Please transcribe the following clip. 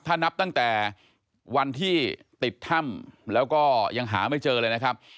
ถ้านับตั้งแต่วันที่ติดถ้ำแล้วก็ยังหาไม่เจอเลยนะครับ